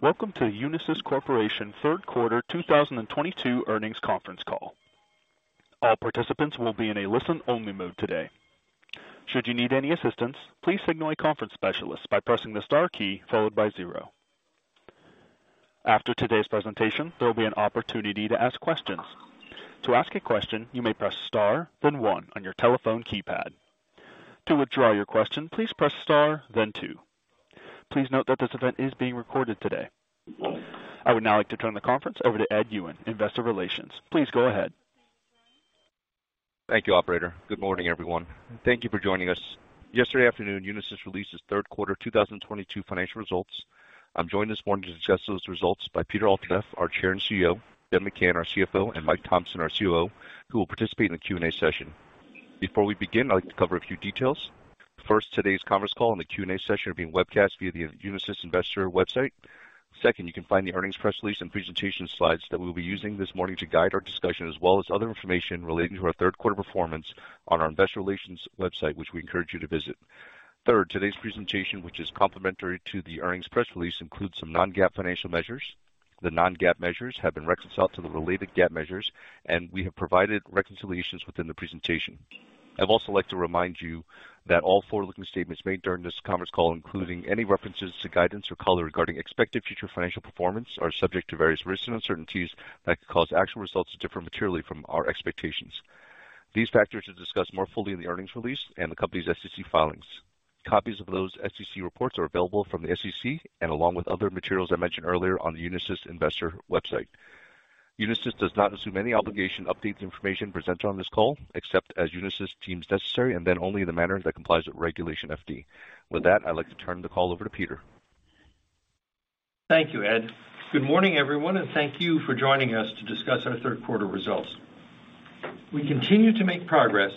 Welcome to Unisys Corporation third quarter 2022 earnings conference call. All participants will be in a listen-only mode today. Should you need any assistance, please signal a conference specialist by pressing the star key followed by zero. After today's presentation, there will be an opportunity to ask questions. To ask a question, you may press star, then one on your telephone keypad. To withdraw your question, please press star, then two. Please note that this event is being recorded today. I would now like to turn the conference over to Ed Yuen, investor relations. Please go ahead. Thank you, operator. Good morning, everyone. Thank you for joining us. Yesterday afternoon, Unisys released its third quarter 2022 financial results. I'm joined this morning to discuss those results by Peter Altabef, our chair and CEO, Debra McCann, our CFO, and Mike Thomson, our COO, who will participate in the Q&A session. Before we begin, I'd like to cover a few details. First, today's conference call and the Q&A session are being webcast via the Unisys investor website. Second, you can find the earnings press release and presentation slides that we'll be using this morning to guide our discussion as well as other information relating to our third quarter performance on our investor relations website, which we encourage you to visit. Third, today's presentation, which is complementary to the earnings press release, includes some non-GAAP financial measures. The non-GAAP measures have been reconciled to the related GAAP measures, and we have provided reconciliations within the presentation. I'd also like to remind you that all forward-looking statements made during this conference call, including any references to guidance or color regarding expected future financial performance, are subject to various risks and uncertainties that could cause actual results to differ materially from our expectations. These factors are discussed more fully in the earnings release and the company's SEC filings. Copies of those SEC reports are available from the SEC and along with other materials I mentioned earlier on the Unisys investor website. Unisys does not assume any obligation to update the information presented on this call, except as Unisys deems necessary, and then only in the manner that complies with Regulation FD. With that, I'd like to turn the call over to Peter. Thank you, Ed. Good morning, everyone, and thank you for joining us to discuss our third quarter results. We continue to make progress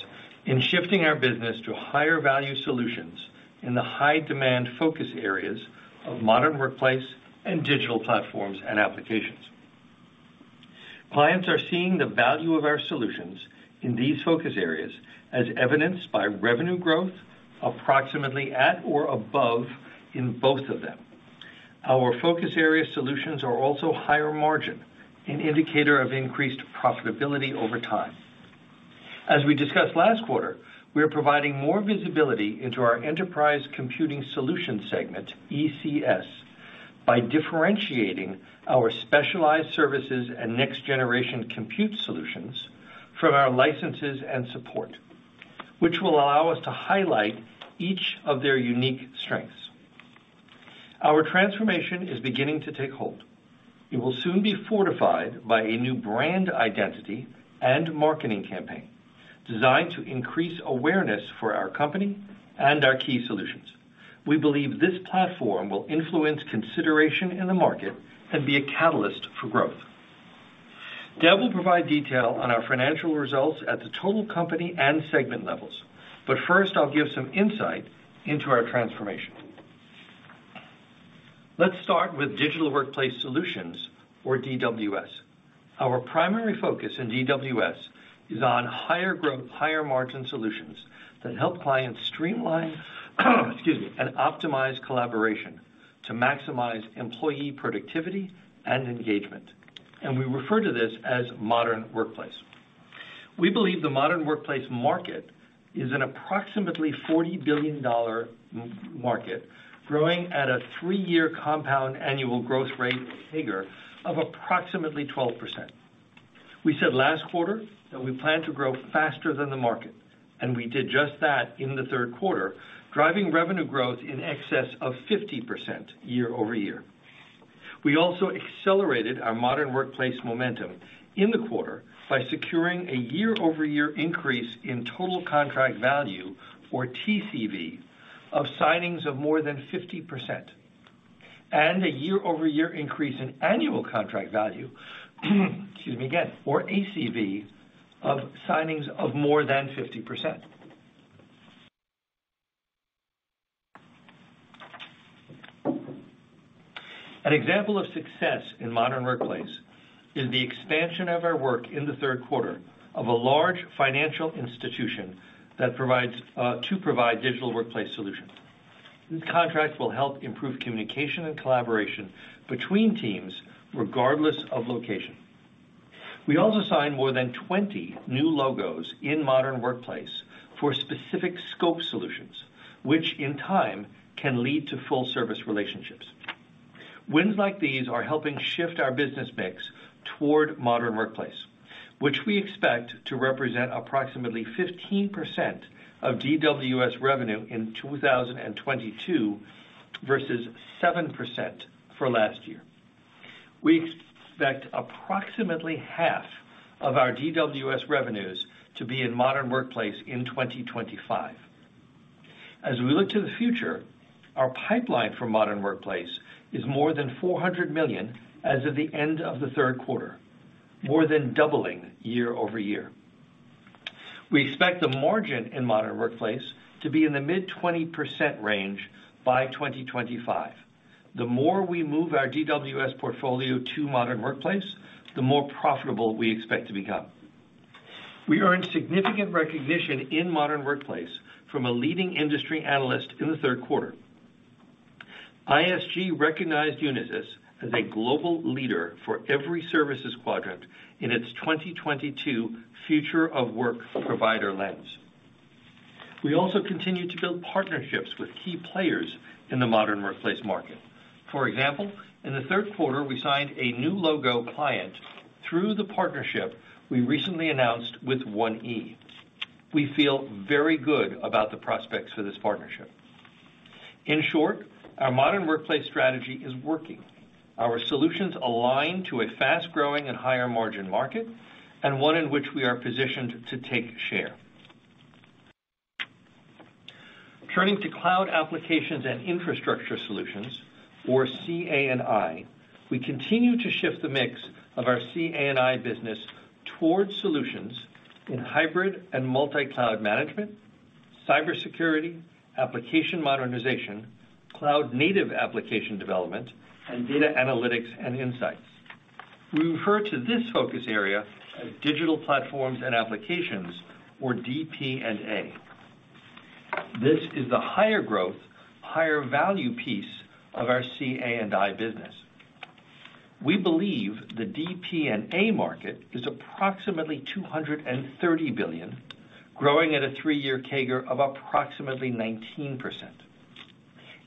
in shifting our business to higher value solutions in the high-demand focus areas of Modern Workplace and Digital Platforms and Applications. Clients are seeing the value of our solutions in these focus areas, as evidenced by revenue growth approximately at or above in both of them. Our focus area solutions are also higher margin, an indicator of increased profitability over time. As we discussed last quarter, we are providing more visibility into our Enterprise Computing Solutions segment, ECS, by differentiating our Specialized Services and Next Generation Compute solutions from our Licenses and Support, which will allow us to highlight each of their unique strengths. Our transformation is beginning to take hold. It will soon be fortified by a new brand identity and marketing campaign designed to increase awareness for our company and our key solutions. We believe this platform will influence consideration in the market and be a catalyst for growth. Deb will provide detail on our financial results at the total company and segment levels. First, I'll give some insight into our transformation. Let's start with Digital Workplace Solutions, or DWS. Our primary focus in DWS is on higher growth, higher margin solutions that help clients streamline excuse me, and optimize collaboration to maximize employee productivity and engagement. We refer to this as Modern Workplace. We believe the Modern Workplace market is an approximately $40 billion market, growing at a three-year compound annual growth rate, or CAGR, of approximately 12%. We said last quarter that we plan to grow faster than the market. We did just that in the third quarter, driving revenue growth in excess of 50% year-over-year. We also accelerated our Modern Workplace momentum in the quarter by securing a year-over-year increase in total contract value, or TCV, of signings of more than 50%, and a year-over-year increase in annual contract value, excuse me again, or ACV, of signings of more than 50%. An example of success in Modern Workplace is the expansion of our work in the third quarter of a large financial institution to provide Digital Workplace Solutions. This contract will help improve communication and collaboration between teams regardless of location. We also signed more than 20 new logos in Modern Workplace for specific scope solutions, which in time can lead to full-service relationships. Wins like these are helping shift our business mix toward Modern Workplace, which we expect to represent approximately 15% of DWS revenue in 2022 versus 7% for last year. We expect approximately half of our DWS revenues to be in Modern Workplace in 2025. As we look to the future, our pipeline for Modern Workplace is more than $400 million as of the end of the third quarter, more than doubling year-over-year. We expect the margin in Modern Workplace to be in the mid-20% range by 2025. The more we move our DWS portfolio to Modern Workplace, the more profitable we expect to become. We earned significant recognition in Modern Workplace from a leading industry analyst in the third quarter. ISG recognized Unisys as a global leader for every services quadrant in its 2022 Future of Work Provider Lens. We also continued to build partnerships with key players in the Modern Workplace market. For example, in the third quarter, we signed a new logo client through the partnership we recently announced with 1E. We feel very good about the prospects for this partnership. In short, our Modern Workplace strategy is working. Our solutions align to a fast-growing and higher-margin market. One in which we are positioned to take share. Turning to Cloud, Applications & Infrastructure Solutions, or CA&I, we continue to shift the mix of our CA&I business towards solutions in hybrid and multi-cloud management, cybersecurity, application modernization, cloud-native application development, and data analytics and insights. We refer to this focus area as Digital Platforms and Applications, or DP&A. This is the higher growth, higher value piece of our CA&I business. We believe the DP&A market is approximately $230 billion, growing at a three-year CAGR of approximately 19%.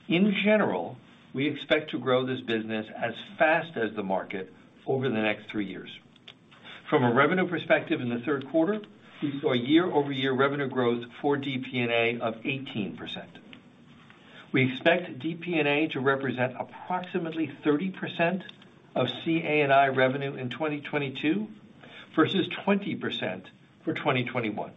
In general, we expect to grow this business as fast as the market over the next three years. From a revenue perspective in the third quarter, we saw year-over-year revenue growth for DP&A of 18%. We expect DP&A to represent approximately 30% of CA&I revenue in 2022 versus 20% for 2021.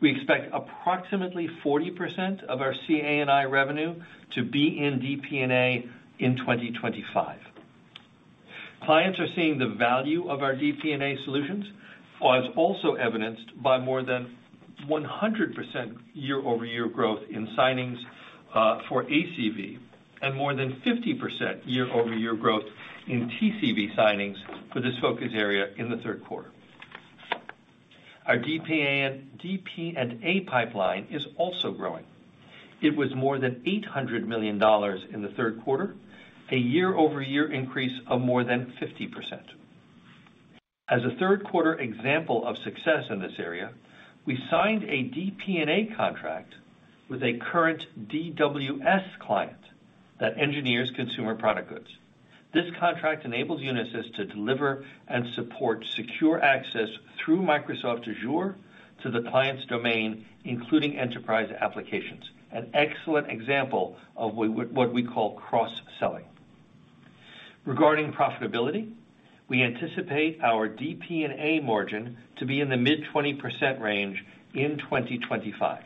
We expect approximately 40% of our CA&I revenue to be in DP&A in 2025. Clients are seeing the value of our DP&A solutions as also evidenced by more than 100% year-over-year growth in signings for ACV and more than 50% year-over-year growth in TCV signings for this focus area in the third quarter. Our DP&A pipeline is also growing. It was more than $800 million in the third quarter, a year-over-year increase of more than 50%. As a third quarter example of success in this area, we signed a DP&A contract with a current DWS client that engineers consumer product goods. This contract enables Unisys to deliver and support secure access through Microsoft Azure to the client's domain, including enterprise applications. An excellent example of what we call cross-selling. Regarding profitability, we anticipate our DP&A margin to be in the mid-20% range in 2025.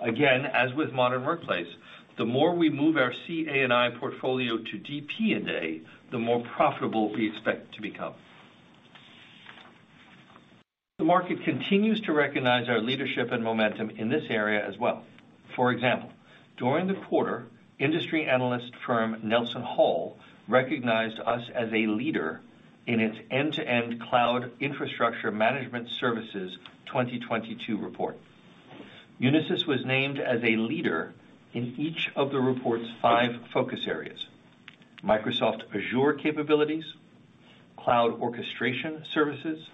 Again, as with Modern Workplace, the more we move our CA&I portfolio to DP&A, the more profitable we expect to become. The market continues to recognize our leadership and momentum in this area as well. For example, during the quarter, industry analyst firm NelsonHall recognized us as a leader in its End-to-End Cloud Infrastructure Management Services 2022 report. Unisys was named as a leader in each of the report's 5 focus areas: Microsoft Azure capabilities, cloud orchestration services,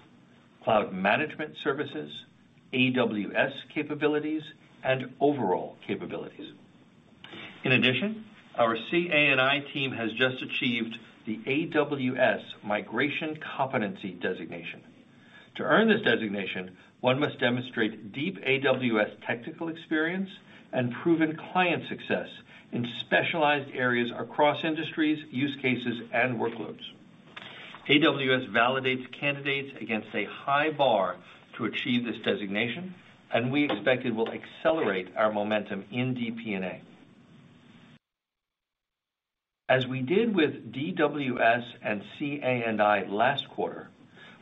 cloud management services, AWS capabilities, and overall capabilities. In addition, our CA&I team has just achieved the AWS Migration Competency designation. To earn this designation, one must demonstrate deep AWS technical experience and proven client success in specialized areas across industries, use cases, and workloads. AWS validates candidates against a high bar to achieve this designation, and we expect it will accelerate our momentum in DP&A. As we did with DWS and CA&I last quarter,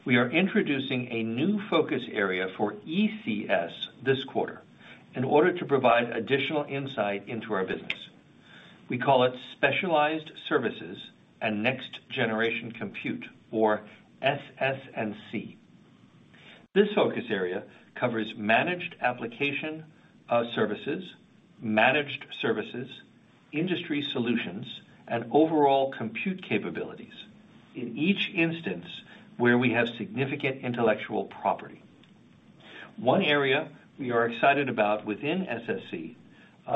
we are introducing a new focus area for ECS this quarter in order to provide additional insight into our business. We call it Specialized Services and Next Generation Compute, or SS&C. This focus area covers managed application services, managed services, industry solutions, and overall compute capabilities in each instance where we have significant intellectual property. 1 area we are excited about within SS&C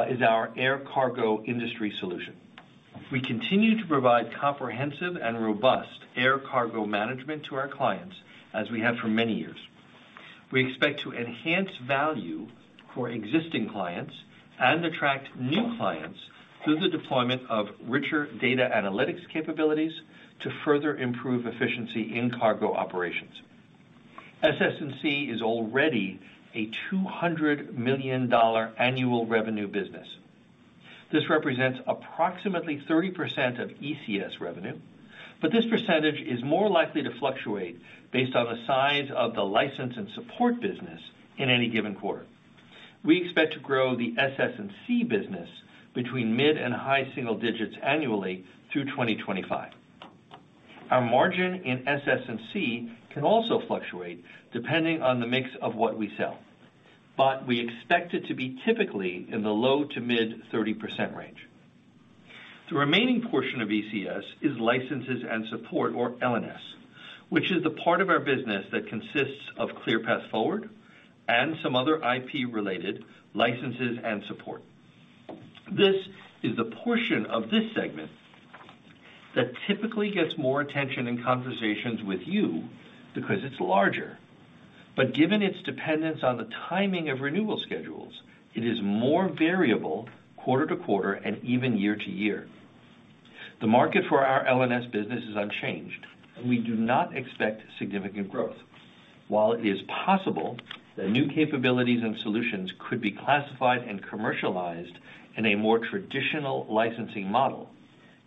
is our air cargo industry solution. We continue to provide comprehensive and robust air cargo management to our clients, as we have for many years. We expect to enhance value for existing clients and attract new clients through the deployment of richer data analytics capabilities to further improve efficiency in cargo operations. SS&C is already a $200 million annual revenue business. This represents approximately 30% of ECS revenue, but this percentage is more likely to fluctuate based on the size of the License and Support business in any given quarter. We expect to grow the SS&C business between mid and high single digits annually through 2025. Our margin in SS&C can also fluctuate depending on the mix of what we sell, but we expect it to be typically in the low to mid 30% range. The remaining portion of ECS is License and Support, or L&S, which is the part of our business that consists of ClearPath Forward and some other IP-related licenses and support. This is the portion of this segment that typically gets more attention in conversations with you because it's larger. Given its dependence on the timing of renewal schedules, it is more variable quarter to quarter and even year to year. The market for our L&S business is unchanged, and we do not expect significant growth. While it is possible that new capabilities and solutions could be classified and commercialized in a more traditional licensing model,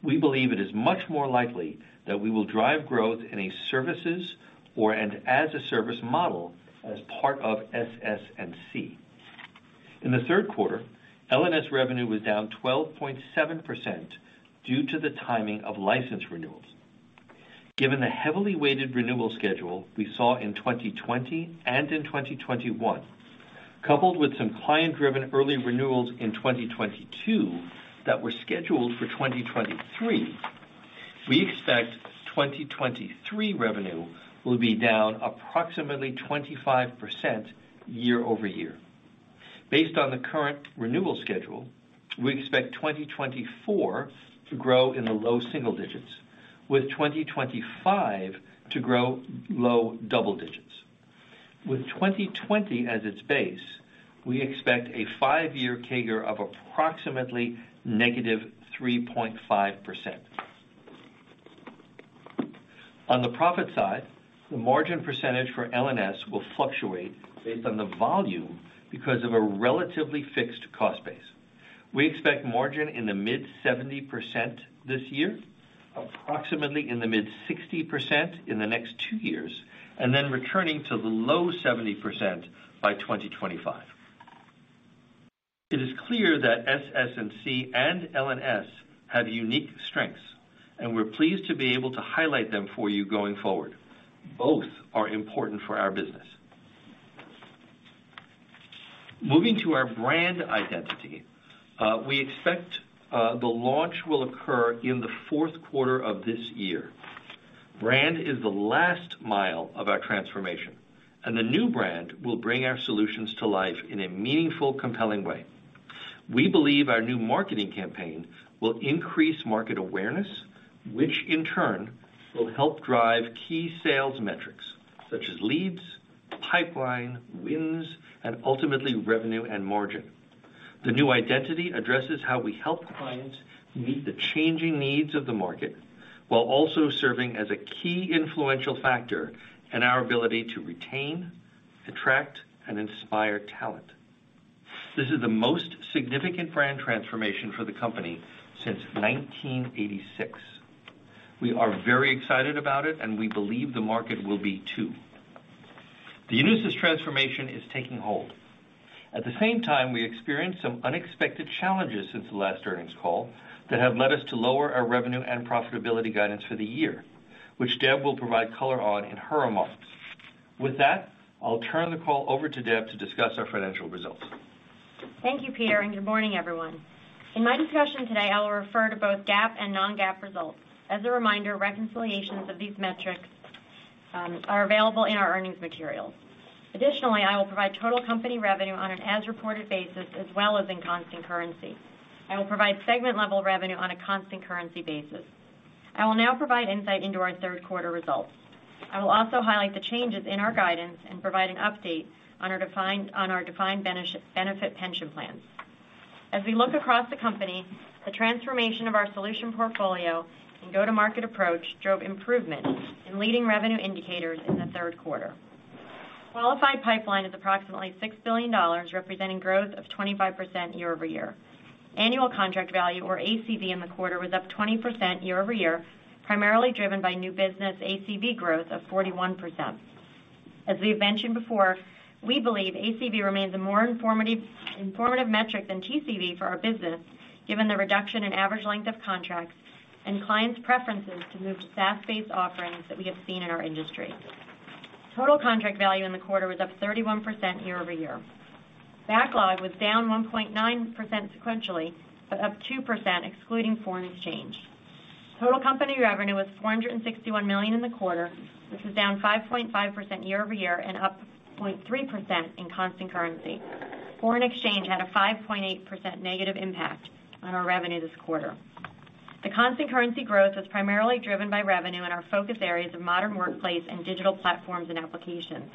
we believe it is much more likely that we will drive growth in a services or an as a service model as part of SS&C. In the third quarter, L&S revenue was down 12.7% due to the timing of license renewals. Given the heavily weighted renewal schedule we saw in 2020 and in 2021, coupled with some client-driven early renewals in 2022 that were scheduled for 2023, we expect 2023 revenue will be down approximately 25% year-over-year. Based on the current renewal schedule, we expect 2024 to grow in the low single digits, with 2025 to grow low double digits. With 2020 as its base, we expect a five-year CAGR of approximately negative 3.5%. On the profit side, the margin percentage for L&S will fluctuate based on the volume because of a relatively fixed cost base. We expect margin in the mid-70% this year, approximately in the mid-60% in the next two years, and then returning to the low-70% by 2025. It is clear that SS&C and L&S have unique strengths, and we're pleased to be able to highlight them for you going forward. Both are important for our business. Moving to our brand identity, we expect the launch will occur in the fourth quarter of this year. Brand is the last mile of our transformation, and the new brand will bring our solutions to life in a meaningful, compelling way. We believe our new marketing campaign will increase market awareness, which in turn will help drive key sales metrics such as leads, pipeline, wins, and ultimately revenue and margin. The new identity addresses how we help clients meet the changing needs of the market while also serving as a key influential factor in our ability to retain, attract, and inspire talent. This is the most significant brand transformation for the company since 1986. We are very excited about it, and we believe the market will be, too. The Unisys transformation is taking hold. At the same time, we experienced some unexpected challenges since the last earnings call that have led us to lower our revenue and profitability guidance for the year, which Deb will provide color on in her remarks. With that, I'll turn the call over to Deb to discuss our financial results. Thank you, Peter, and good morning, everyone. In my discussion today, I will refer to both GAAP and non-GAAP results. As a reminder, reconciliations of these metrics are available in our earnings materials. Additionally, I will provide total company revenue on an as-reported basis as well as in constant currency. I will provide segment-level revenue on a constant currency basis. I will now provide insight into our third quarter results. I will also highlight the changes in our guidance and provide an update on our defined benefit pension plans. As we look across the company, the transformation of our solution portfolio and go-to-market approach drove improvement in leading revenue indicators in the third quarter. Qualified pipeline is approximately $6 billion, representing growth of 25% year-over-year. Annual contract value, or ACV, in the quarter was up 20% year-over-year, primarily driven by new business ACV growth of 41%. As we've mentioned before, we believe ACV remains a more informative metric than TCV for our business, given the reduction in average length of contracts and clients' preferences to move to SaaS-based offerings that we have seen in our industry. Total contract value in the quarter was up 31% year-over-year. Backlog was down 1.9% sequentially, but up 2% excluding foreign exchange. Total company revenue was $461 million in the quarter, which was down 5.5% year-over-year and up 0.3% in constant currency. Foreign exchange had a 5.8% negative impact on our revenue this quarter. The constant currency growth was primarily driven by revenue in our focus areas of Modern Workplace and Digital Platforms and Applications,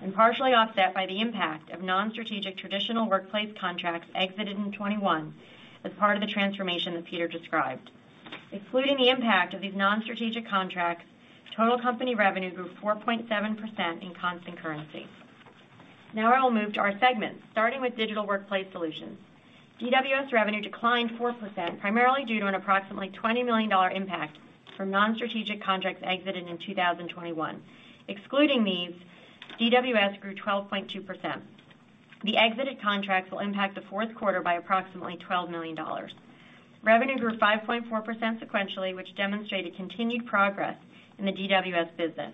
and partially offset by the impact of non-strategic traditional workplace contracts exited in 2021 as part of the transformation that Peter described. Excluding the impact of these non-strategic contracts, total company revenue grew 4.7% in constant currency. Now I will move to our segments, starting with Digital Workplace Solutions. DWS revenue declined 4%, primarily due to an approximately $20 million impact from non-strategic contracts exited in 2021. Excluding these, DWS grew 12.2%. The exited contracts will impact the fourth quarter by approximately $12 million. Revenue grew 5.4% sequentially, which demonstrated continued progress in the DWS business.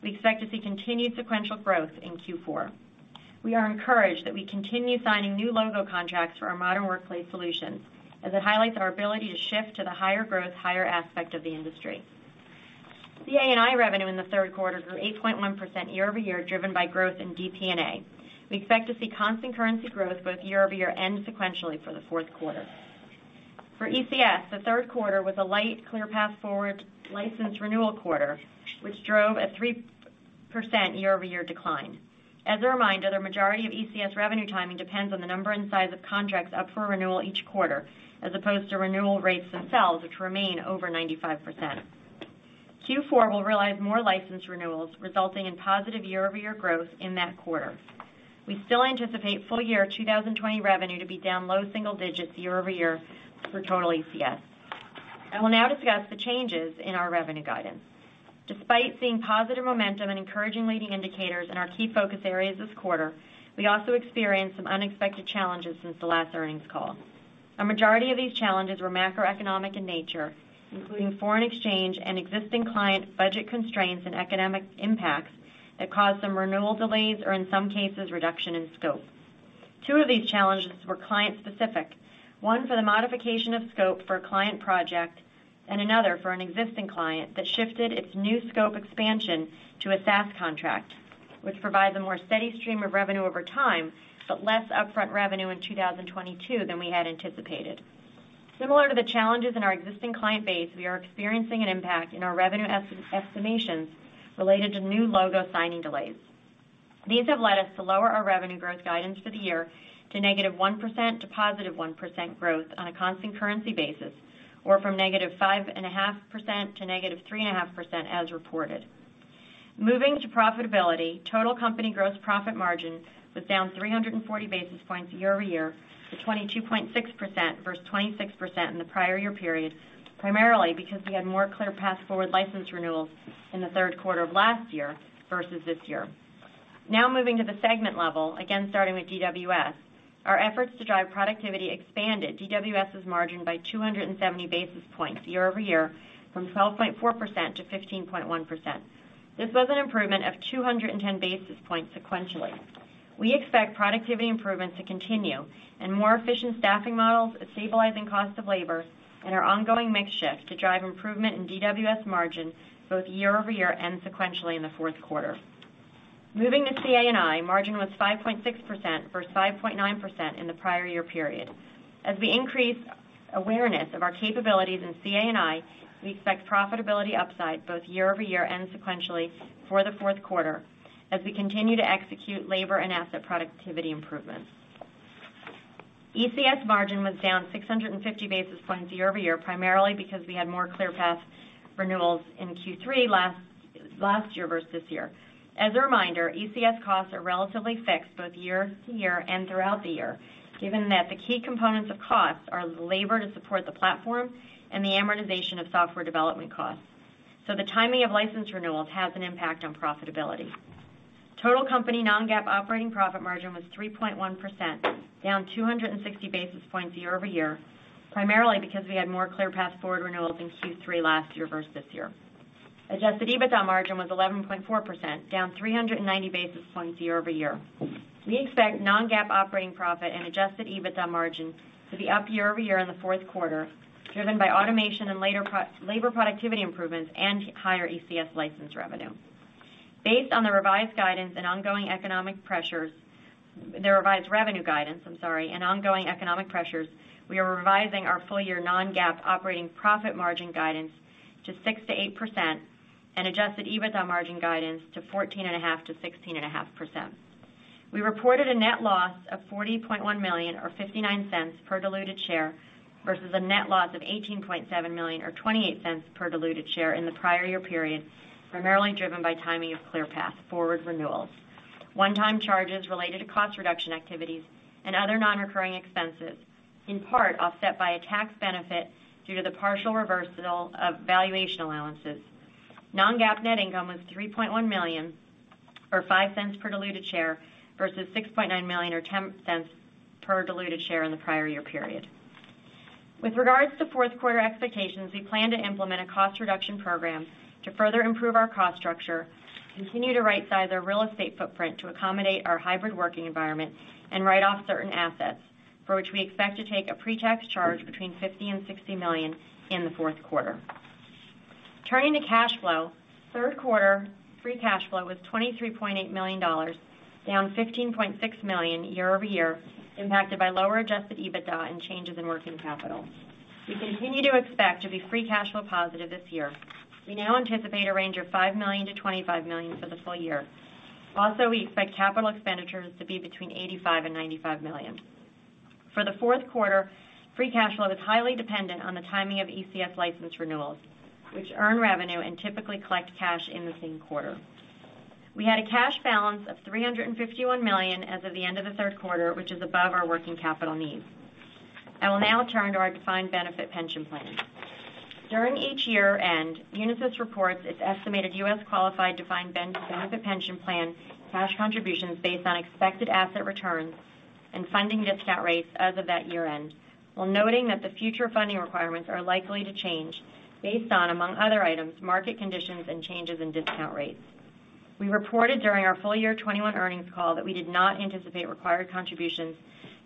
We expect to see continued sequential growth in Q4. We are encouraged that we continue signing new logo contracts for our Modern Workplace solutions, as it highlights our ability to shift to the higher growth, higher aspect of the industry. The CA&I revenue in the third quarter grew 8.1% year-over-year, driven by growth in DP&A. We expect to see constant currency growth both year-over-year and sequentially for the fourth quarter. For ECS, the third quarter was a light, ClearPath Forward license renewal quarter, which drove a 3% year-over-year decline. As a reminder, the majority of ECS revenue timing depends on the number and size of contracts up for renewal each quarter, as opposed to renewal rates themselves, which remain over 95%. Q4 will realize more license renewals, resulting in positive year-over-year growth in that quarter. We still anticipate full year 2020 revenue to be down low single digits year-over-year for total ECS. I will now discuss the changes in our revenue guidance. Despite seeing positive momentum and encouraging leading indicators in our key focus areas this quarter, we also experienced some unexpected challenges since the last earnings call. A majority of these challenges were macroeconomic in nature, including foreign exchange and existing client budget constraints and economic impacts that caused some renewal delays or in some cases, reduction in scope. Two of these challenges were client-specific, one for the modification of scope for a client project and another for an existing client that shifted its new scope expansion to a SaaS contract, which provides a more steady stream of revenue over time, but less upfront revenue in 2022 than we had anticipated. Similar to the challenges in our existing client base, we are experiencing an impact in our revenue estimations related to new logo signing delays. These have led us to lower our revenue growth guidance for the year to negative 1% to positive 1% growth on a constant currency basis, or from negative 5.5% to negative 3.5% as reported. Moving to profitability, total company gross profit margin was down 340 basis points year-over-year to 22.6% versus 26% in the prior year period, primarily because we had more ClearPath Forward license renewals in the third quarter of last year versus this year. Moving to the segment level, again starting with DWS, our efforts to drive productivity expanded DWS's margin by 270 basis points year-over-year from 12.4% to 15.1%. This was an improvement of 210 basis points sequentially. We expect productivity improvements to continue and more efficient staffing models, a stabilizing cost of labor, and our ongoing mix shift to drive improvement in DWS margin both year-over-year and sequentially in the fourth quarter. Moving to CA&I, margin was 5.6% versus 5.9% in the prior year period. As we increase awareness of our capabilities in CA&I, we expect profitability upside both year-over-year and sequentially for the fourth quarter as we continue to execute labor and asset productivity improvements. ECS margin was down 650 basis points year-over-year, primarily because we had more ClearPath renewals in Q3 last year versus this year. As a reminder, ECS costs are relatively fixed both year-to-year and throughout the year, given that the key components of costs are the labor to support the platform and the amortization of software development costs. The timing of license renewals has an impact on profitability. Total company non-GAAP operating profit margin was 3.1%, down 260 basis points year-over-year, primarily because we had more ClearPath Forward renewals in Q3 last year versus this year. Adjusted EBITDA margin was 11.4%, down 390 basis points year-over-year. We expect non-GAAP operating profit and adjusted EBITDA margin to be up year-over-year in the fourth quarter, driven by automation and labor productivity improvements and higher ECS license revenue. Based on the revised revenue guidance and ongoing economic pressures, we are revising our full-year non-GAAP operating profit margin guidance to 6%-8% and adjusted EBITDA margin guidance to 14.5%-16.5%. We reported a net loss of $40.1 million, or $0.59 per diluted share, versus a net loss of $18.7 million, or $0.28 per diluted share in the prior year period, primarily driven by timing of ClearPath Forward renewals, one-time charges related to cost reduction activities, and other non-recurring expenses, in part offset by a tax benefit due to the partial reversal of valuation allowances. Non-GAAP net income was $3.1 million, or $0.05 per diluted share, versus $6.9 million or $0.10 per diluted share in the prior year period. With regards to fourth quarter expectations, we plan to implement a cost reduction program to further improve our cost structure, continue to right-size our real estate footprint to accommodate our hybrid working environment, and write off certain assets, for which we expect to take a pre-tax charge between $50 million and $60 million in the fourth quarter. Turning to cash flow, third quarter free cash flow was $23.8 million, down $15.6 million year-over-year, impacted by lower adjusted EBITDA and changes in working capital. We continue to expect to be free cash flow positive this year. We now anticipate a range of $5 million to $25 million for the full year. We expect capital expenditures to be between $85 million and $95 million. For the fourth quarter, free cash flow is highly dependent on the timing of ECS license renewals, which earn revenue and typically collect cash in the same quarter. We had a cash balance of $351 million as of the end of the third quarter, which is above our working capital needs. I will now turn to our defined benefit pension plan. During each year-end, Unisys reports its estimated U.S. qualified defined benefit pension plan cash contributions based on expected asset returns and funding discount rates as of that year-end. While noting that the future funding requirements are likely to change based on, among other items, market conditions and changes in discount rates. We reported during our full year 2021 earnings call that we did not anticipate required contributions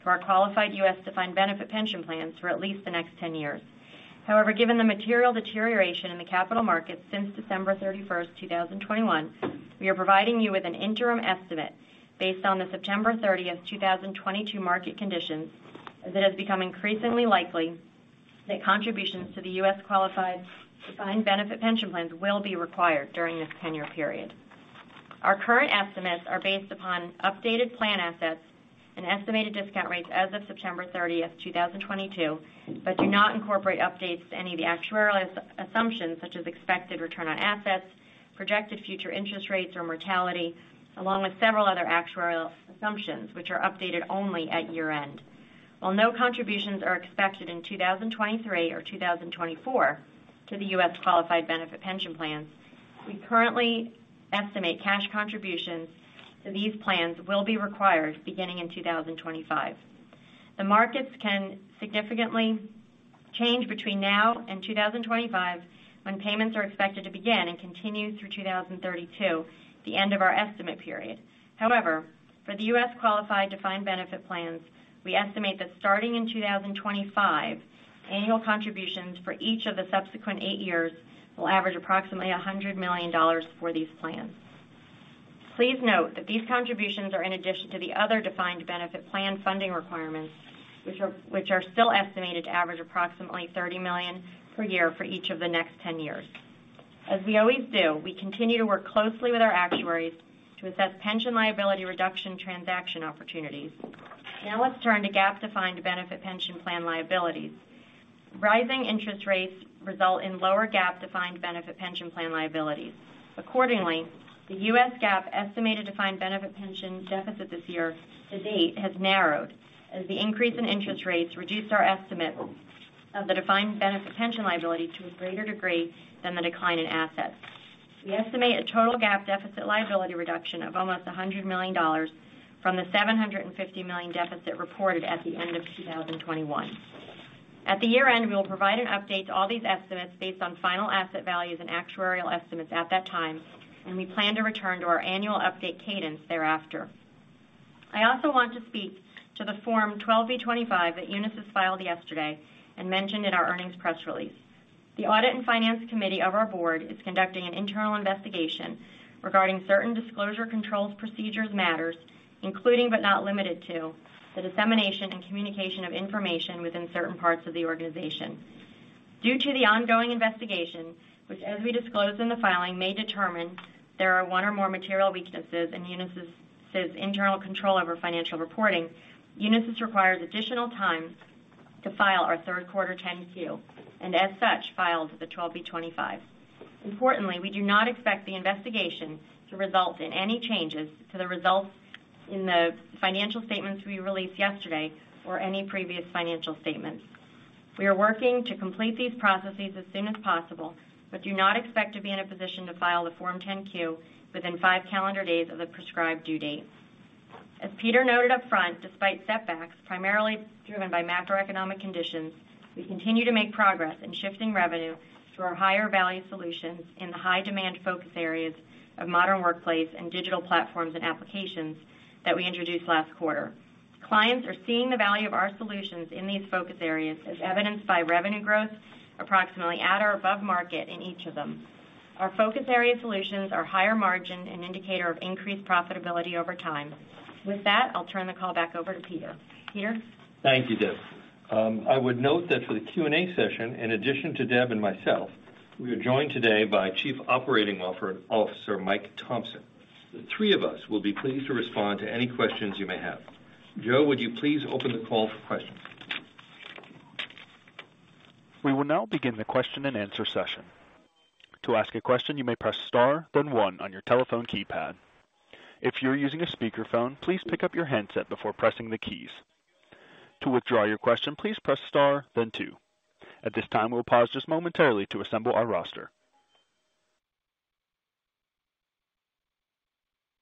to our qualified U.S. defined benefit pension plans for at least the next 10 years. Given the material deterioration in the capital markets since December 31st, 2021, we are providing you with an interim estimate based on the September 30th, 2022, market conditions, as it has become increasingly likely that contributions to the U.S. qualified defined benefit pension plans will be required during this 10-year period. Our current estimates are based upon updated plan assets and estimated discount rates as of September 30th, 2022, but do not incorporate updates to any of the actuarial assumptions such as expected return on assets, projected future interest rates, or mortality, along with several other actuarial assumptions which are updated only at year-end. While no contributions are expected in 2023 or 2024 to the U.S. qualified benefit pension plans, we currently estimate cash contributions to these plans will be required beginning in 2025. The markets can significantly change between now and 2025, when payments are expected to begin, and continue through 2032, the end of our estimate period. For the U.S. qualified defined benefit plans, we estimate that starting in 2025, annual contributions for each of the subsequent eight years will average approximately $100 million for these plans. Please note that these contributions are in addition to the other defined benefit plan funding requirements, which are still estimated to average approximately $30 million per year for each of the next 10 years. As we always do, we continue to work closely with our actuaries to assess pension liability reduction transaction opportunities. Let's turn to GAAP-defined benefit pension plan liabilities. Rising interest rates result in lower GAAP-defined benefit pension plan liabilities. Accordingly, the U.S. GAAP estimated defined benefit pension deficit this year to date has narrowed as the increase in interest rates reduced our estimate of the defined benefit pension liability to a greater degree than the decline in assets. We estimate a total GAAP deficit liability reduction of almost $100 million from the $750 million deficit reported at the end of 2021. At the year-end, we will provide an update to all these estimates based on final asset values and actuarial estimates at that time, and we plan to return to our annual update cadence thereafter. I also want to speak to the Form 12b-25 that Unisys filed yesterday and mentioned in our earnings press release. The Audit and Finance Committee of our board is conducting an internal investigation regarding certain disclosure controls procedures matters, including but not limited to the dissemination and communication of information within certain parts of the organization. Due to the ongoing investigation, which, as we disclosed in the filing, may determine there are one or more material weaknesses in Unisys' internal control over financial reporting, Unisys requires additional time to file our third quarter 10-Q, and as such, filed the 12b-25. Importantly, we do not expect the investigation to result in any changes to the results in the financial statements we released yesterday or any previous financial statements. We are working to complete these processes as soon as possible but do not expect to be in a position to file the Form 10-Q within five calendar days of the prescribed due date. As Peter noted upfront, despite setbacks primarily driven by macroeconomic conditions, we continue to make progress in shifting revenue to our higher-value solutions in the high-demand focus areas of Modern Workplace and Digital Platforms and Applications that we introduced last quarter. Clients are seeing the value of our solutions in these focus areas, as evidenced by revenue growth approximately at or above market in each of them. Our focus area solutions are higher margin and indicator of increased profitability over time. With that, I'll turn the call back over to Peter. Peter? Thank you, Deb. I would note that for the Q&A session, in addition to Deb and myself, we are joined today by Chief Operating Officer Mike Thomson. The three of us will be pleased to respond to any questions you may have. Joe, would you please open the call for questions? We will now begin the question and answer session. To ask a question, you may press star then one on your telephone keypad. If you're using a speakerphone, please pick up your handset before pressing the keys. To withdraw your question, please press star then two. At this time, we'll pause just momentarily to assemble our roster.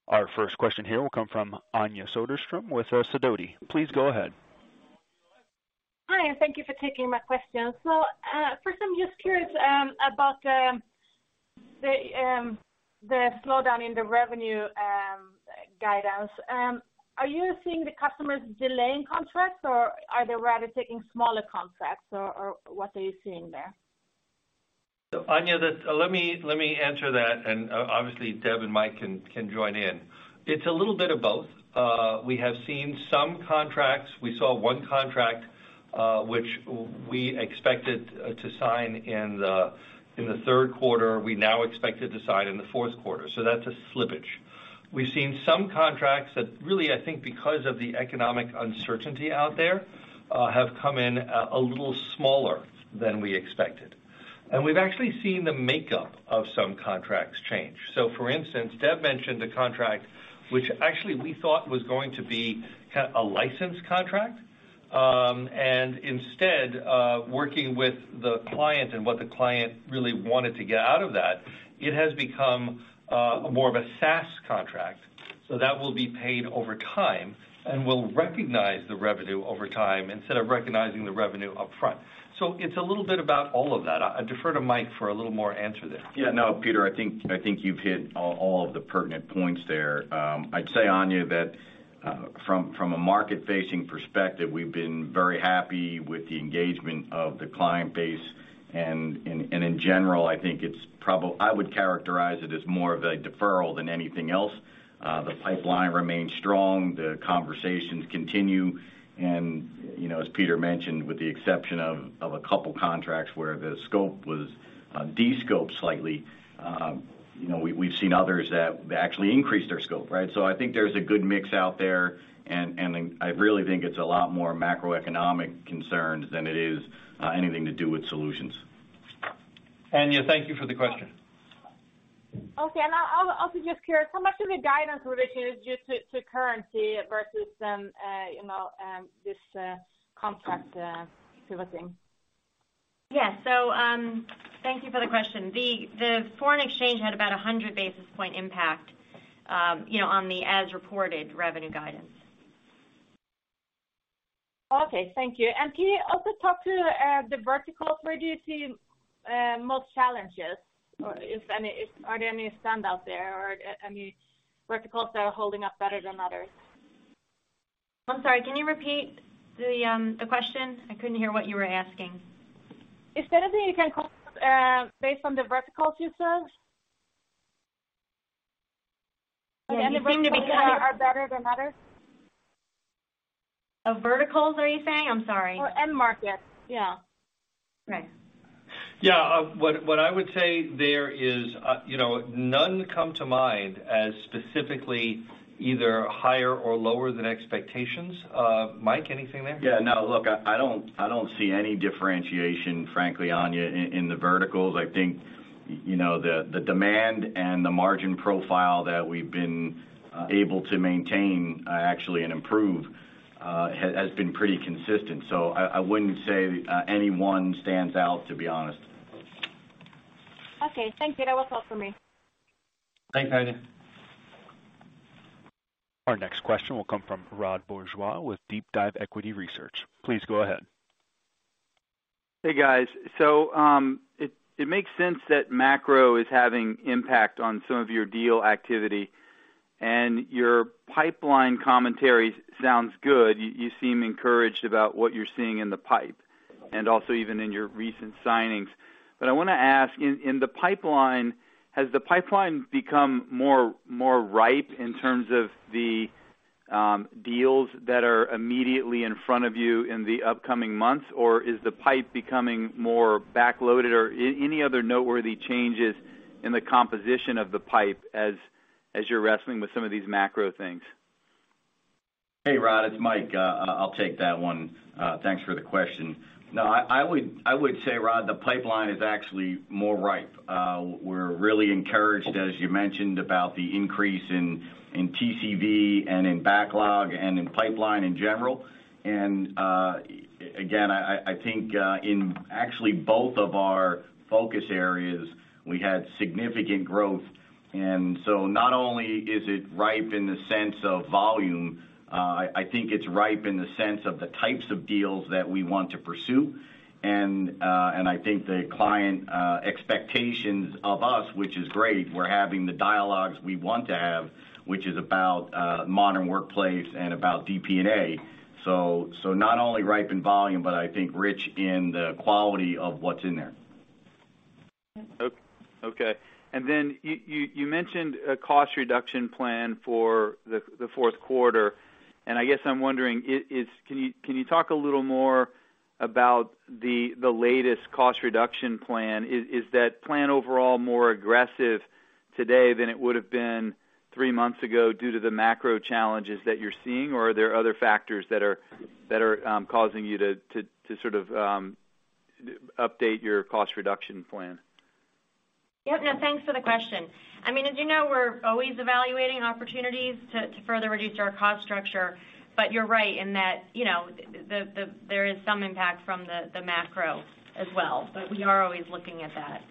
Our first question here will come from Anja Soderstrom with Sidoti. Please go ahead. Hi, thank you for taking my questions. For some, just curious about the slowdown in the revenue guidance. Are you seeing the customers delaying contracts, or are they rather taking smaller contracts? What are you seeing there? Anja, let me answer that and obviously Deb and Mike can join in. It's a little bit of both. We have seen some contracts. We saw one contract, which we expected to sign in the third quarter, we now expect to sign in the fourth quarter, so that's a slippage. We've seen some contracts that really, I think because of the economic uncertainty out there, have come in a little smaller than we expected. We've actually seen the makeup of some contracts change. For instance, Deb mentioned the contract, which actually we thought was going to be a license contract. Instead, working with the client and what the client really wanted to get out of that, it has become more of a SaaS contract. That will be paid over time, and we'll recognize the revenue over time instead of recognizing the revenue upfront. It's a little bit about all of that. I defer to Mike for a little more answer there. Yeah. No, Peter, I think you've hit all of the pertinent points there. I'd say, Anja, that from a market-facing perspective, we've been very happy with the engagement of the client base. In general, I would characterize it as more of a deferral than anything else. The pipeline remains strong. The conversations continue. As Peter mentioned, with the exception of a couple of contracts where the scope was descope slightly, we've seen others that actually increased their scope. I think there's a good mix out there, and I really think it's a lot more macroeconomic concerns than it is anything to do with solutions. Anja, thank you for the question. Okay. I'm also just curious, how much of the guidance related is due to currency versus this contract pivoting? Yeah. Thank you for the question. The foreign exchange had about 100 basis point impact on the as-reported revenue guidance. Okay, thank you. Can you also talk to the verticals where you see most challenges, or are there any standout there, or any verticals that are holding up better than others? I'm sorry, can you repeat the question? I couldn't hear what you were asking. If there is any you can call based on the verticals you serve. You seem to be cutting out. Are better than others. Of verticals, are you saying? I'm sorry. End market, yeah. Okay. Yeah. What I would say there is none come to mind as specifically either higher or lower than expectations. Mike, anything there? Yeah, no. Look, I don't see any differentiation, frankly, Anja, in the verticals. I think the demand and the margin profile that we've been able to maintain, actually and improve, has been pretty consistent. I wouldn't say any one stands out, to be honest. Okay. Thanks. That was all for me. Thanks, Anja. Our next question will come from Rod Bourgeois with DeepDive Equity Research. Please go ahead. It makes sense that macro is having impact on some of your deal activity, and your pipeline commentary sounds good. You seem encouraged about what you're seeing in the pipe, and also even in your recent signings. I want to ask, in the pipeline, has the pipeline become more ripe in terms of the deals that are immediately in front of you in the upcoming months, or is the pipe becoming more backloaded? Any other noteworthy changes in the composition of the pipe as you're wrestling with some of these macro things? Hey, Rod, it's Mike. I'll take that one. Thanks for the question. No, I would say, Rod, the pipeline is actually more ripe. We're really encouraged, as you mentioned, about the increase in TCV and in backlog and in pipeline in general. Again, I think in actually both of our focus areas, we had significant growth. Not only is it ripe in the sense of volume, I think it's ripe in the sense of the types of deals that we want to pursue. I think the client expectations of us, which is great, we're having the dialogues we want to have, which is about Modern Workplace and about DP&A. Not only ripe in volume, but I think rich in the quality of what's in there. Okay. You mentioned a cost reduction plan for the fourth quarter, and I guess I'm wondering, can you talk a little more about the latest cost reduction plan? Is that plan overall more aggressive today than it would have been three months ago due to the macro challenges that you're seeing, or are there other factors that are causing you to sort of update your cost reduction plan? Yeah. No, thanks for the question. As you know, we're always evaluating opportunities to further reduce our cost structure. You're right in that there is some impact from the macro as well, but we are always looking at that.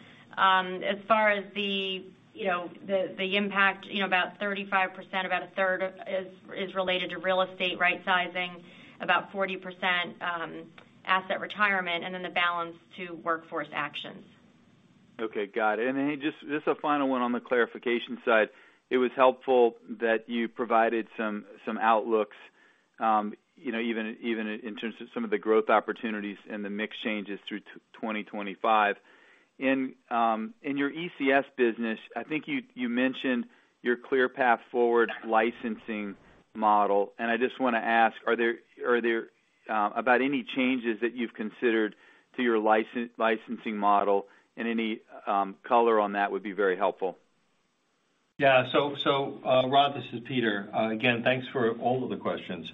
As far as the impact, about 35%, about a third is related to real estate rightsizing, about 40% asset retirement, and then the balance to workforce actions. Got it. Just a final one on the clarification side. It was helpful that you provided some outlooks even in terms of some of the growth opportunities and the mix changes through 2025. In your ECS business, I think you mentioned your ClearPath Forward licensing model. I just want to ask about any changes that you've considered to your licensing model, and any color on that would be very helpful. Yeah. Rod, this is Peter. Again, thanks for all of the questions.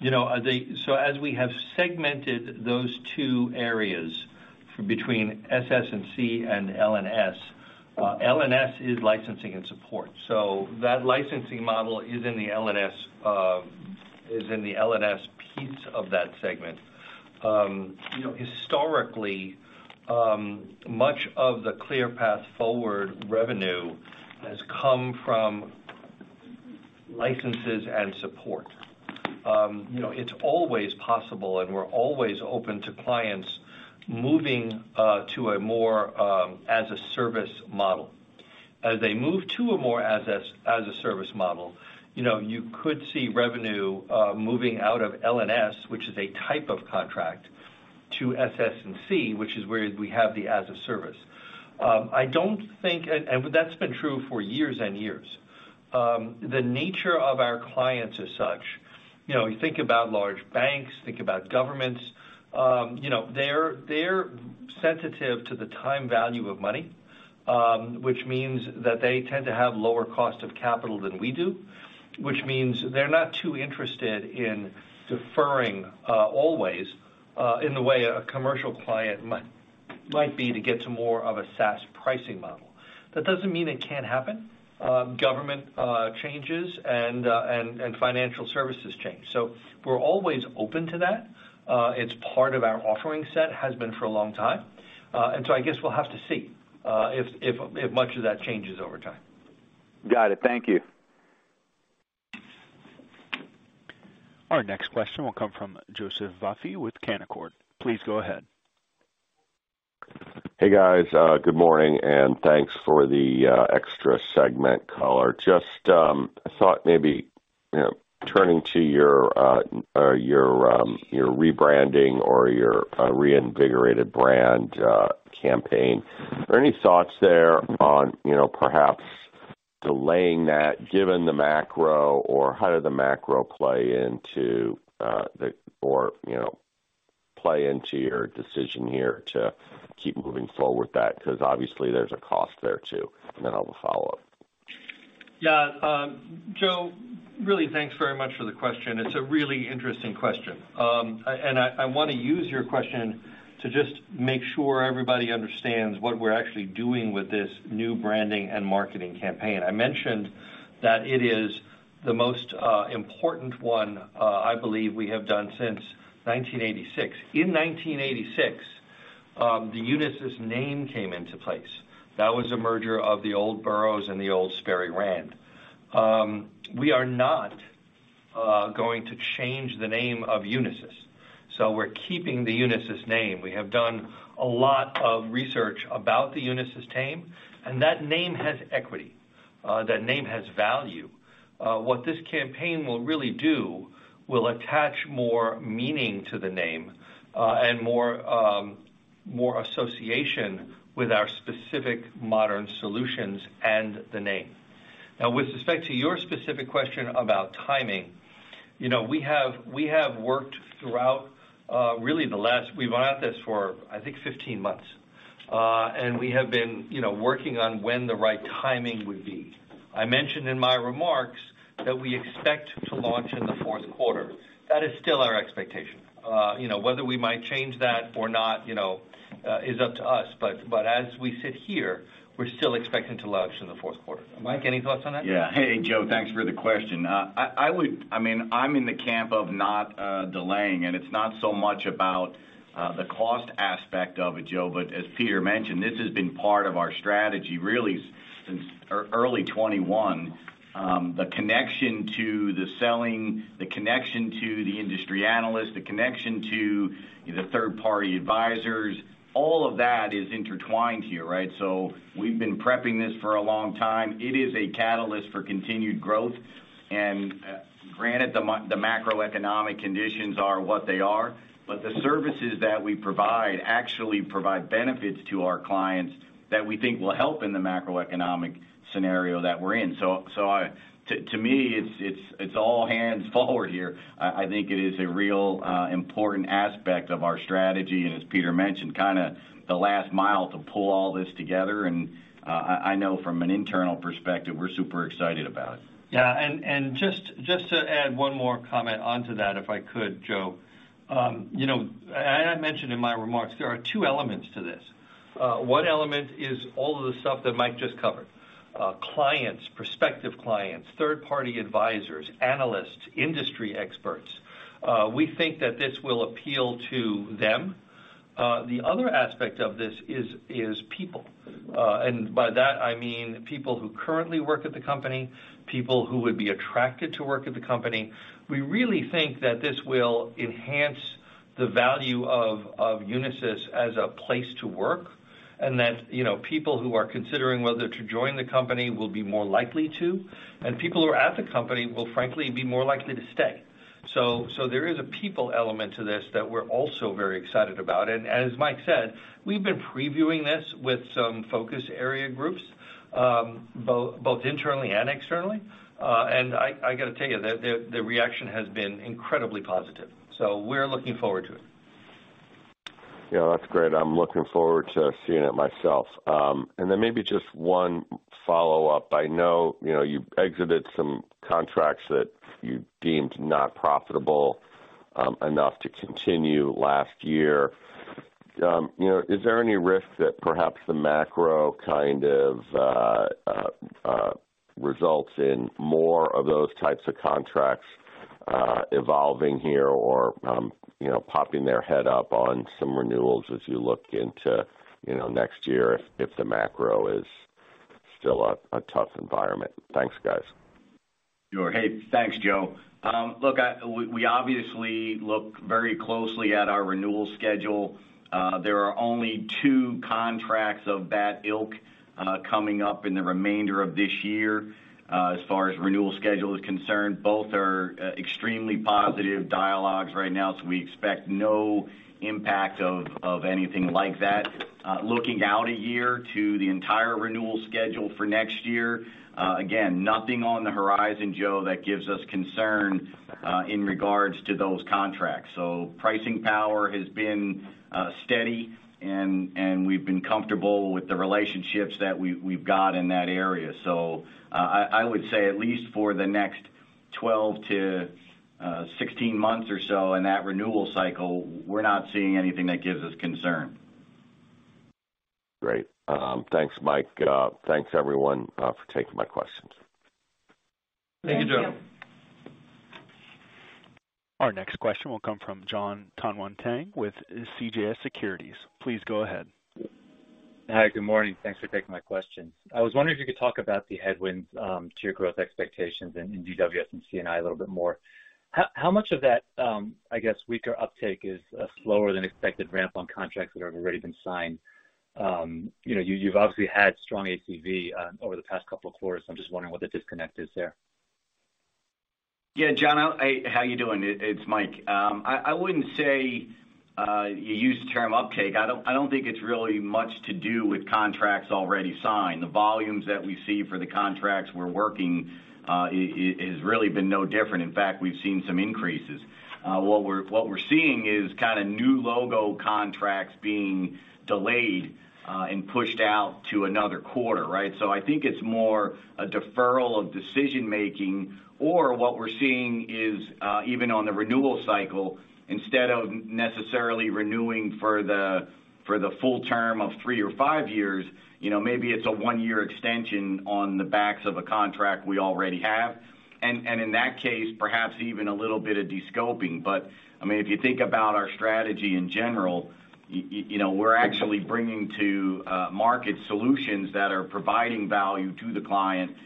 As we have segmented those two areas between SS&C and L&S, L&S is License and Support. That licensing model is in the L&S piece of that segment. Historically, much of the ClearPath Forward revenue has come from licenses and support. It's always possible, and we're always open to clients moving to a more as a service model. As they move to a more as a service model, you could see revenue moving out of L&S, which is a type of contract, to SS&C, which is where we have the as a service. That's been true for years and years. The nature of our clients as such, you think about large banks, think about governments, they're sensitive to the time value of money, which means that they tend to have lower cost of capital than we do, which means they're not too interested in deferring always in the way a commercial client might be to get to more of a SaaS pricing model. That doesn't mean it can't happen. Government changes and financial services change. We're always open to that. It's part of our offering set, has been for a long time. I guess we'll have to see if much of that changes over time. Got it. Thank you. Our next question will come from Joseph Vafi with Canaccord. Please go ahead. Hey, guys. Good morning, thanks for the extra segment color. Just thought maybe, turning to your rebranding or your reinvigorated brand campaign. Are any thoughts there on perhaps delaying that given the macro? How did the macro play into your decision here to keep moving forward with that? Obviously there's a cost there, too. Then I'll have a follow-up. Yeah. Joe, really, thanks very much for the question. It's a really interesting question. I want to use your question to just make sure everybody understands what we're actually doing with this new branding and marketing campaign. I mentioned that it is the most important one I believe we have done since 1986. In 1986, the Unisys name came into place. That was a merger of the old Burroughs and the old Sperry Rand. We are not going to change the name of Unisys, we're keeping the Unisys name. We have done a lot of research about the Unisys name, that name has equity. That name has value. What this campaign will really do, will attach more meaning to the name, and more association with our specific modern solutions and the name. With respect to your specific question about timing, we've been at this for, I think, 15 months. We have been working on when the right timing would be. I mentioned in my remarks that we expect to launch in the fourth quarter. That is still our expectation. Whether we might change that or not is up to us. As we sit here, we're still expecting to launch in the fourth quarter. Mike, any thoughts on that? Yeah. Hey, Joe, thanks for the question. I'm in the camp of not delaying, and it's not so much about the cost aspect of it, Joe, but as Peter mentioned, this has been part of our strategy really since early 2021. The connection to the selling, the connection to the industry analyst, the connection to the third-party advisors, all of that is intertwined here. We've been prepping this for a long time. It is a catalyst for continued growth, and granted, the macroeconomic conditions are what they are, but the services that we provide actually provide benefits to our clients that we think will help in the macroeconomic scenario that we're in. To me, it's all hands forward here. I think it is a real important aspect of our strategy. As Peter mentioned, kind of the last mile to pull all this together, and I know from an internal perspective, we're super excited about it. Yeah. Just to add one more comment onto that, if I could, Joe. I mentioned in my remarks, there are two elements to this. One element is all of the stuff that Mike just covered. Clients, prospective clients, third-party advisors, analysts, industry experts. We think that this will appeal to them. The other aspect of this is people. By that I mean people who currently work at the company, people who would be attracted to work at the company. We really think that this will enhance the value of Unisys as a place to work, and that people who are considering whether to join the company will be more likely to, and people who are at the company will frankly be more likely to stay. There is a people element to this that we're also very excited about. As Mike said, we've been previewing this with some focus area groups, both internally and externally. I got to tell you, the reaction has been incredibly positive. We're looking forward to it. Yeah, that's great. I'm looking forward to seeing it myself. Maybe just one follow-up. I know you exited some contracts that you deemed not profitable enough to continue last year. Is there any risk that perhaps the macro kind of results in more of those types of contracts evolving here or popping their head up on some renewals as you look into next year if the macro is still a tough environment? Thanks, guys. Sure. Hey, thanks, Joe. We obviously look very closely at our renewal schedule. There are only two contracts of that ilk coming up in the remainder of this year as far as renewal schedule is concerned. Both are extremely positive dialogues right now, so we expect no impact of anything like that. Looking out a year to the entire renewal schedule for next year, again, nothing on the horizon, Joe, that gives us concern in regards to those contracts. Pricing power has been steady, and we've been comfortable with the relationships that we've got in that area. I would say at least for the next 12 to 16 months or so in that renewal cycle, we're not seeing anything that gives us concern. Great. Thanks, Mike. Thanks, everyone, for taking my questions. Thank you, Joe. Thank you. Our next question will come from Jonathan Tanwanteng with CJS Securities. Please go ahead. Hi. Good morning. Thanks for taking my questions. I was wondering if you could talk about the headwinds to your growth expectations in DWS and CA&I a little bit more. How much of that, I guess, weaker uptake is a slower than expected ramp on contracts that have already been signed? You've obviously had strong ACV over the past couple of quarters. I'm just wondering what the disconnect is there. Yeah, John, how you doing? It's Mike. I wouldn't say You used the term uptake. I don't think it's really much to do with contracts already signed. The volumes that we see for the contracts we're working has really been no different. In fact, we've seen some increases. What we're seeing is kind of new logo contracts being delayed and pushed out to another quarter, right? I think it's more a deferral of decision-making, or what we're seeing is, even on the renewal cycle, instead of necessarily renewing for the full term of three or five years, maybe it's a one-year extension on the backs of a contract we already have. In that case, perhaps even a little bit of de-scoping. But if you think about our strategy in general, we're actually bringing to market solutions that are providing value to the client.